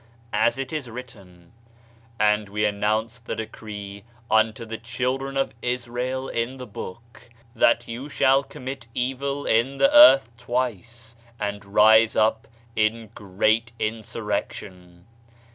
As it is written: "And we announced the decree unto the children of Israel in the book, that you shall commit evil in the earth twice, and rise up in great insurrec tion."